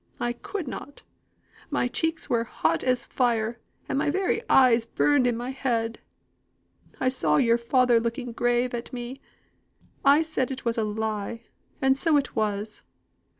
I could not. My cheeks were as hot as fire, and my very eyes burnt in my head. I saw your father looking grave at me. I said it was a lie, and so it was.